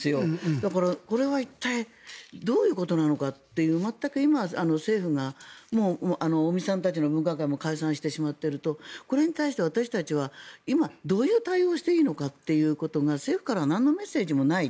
だからこれは一体どういうことなんだっていう全く今、政府が尾身さんたちの分科会も解散してしまっているとこれに対して私たちは今、どういう対応をしていいのかということが政府からはなんのメッセージもないという。